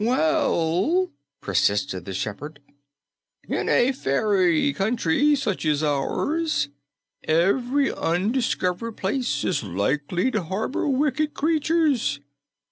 "Well," persisted the shepherd, "in a fairy country such as ours, every undiscovered place is likely to harbor wicked creatures.